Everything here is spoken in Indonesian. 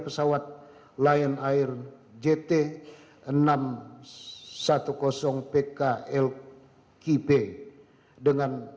pesawat lion air jt enam ratus sepuluh pkl kibe